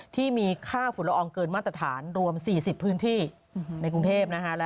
ที่มีค่าฝุ่นละอองเกินมาตรฐานรวม๔๐พื้นที่ในกรุงเทพนะคะ